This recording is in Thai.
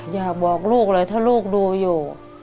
อยากบอกลูกเลยถ้าลูกดูอยู่